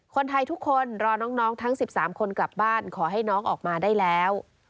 คนไทยทุกคนรอน้องทั้ง๑๓คนกลับบ้านขอให้น้องออกมาได้แล้ว